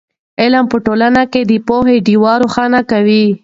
علم په ټولنه کې د پوهې ډېوه روښانه کوي.